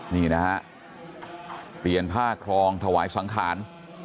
นี่นะฮะเปลี่ยนผ้าครองถวายสังขาร